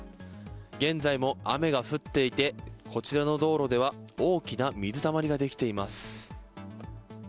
現在も雨が降っていて、こちらの道路では大きな水たまりが出来ています。